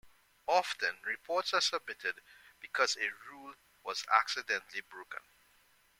Often, reports are submitted because a rule was accidentally broken.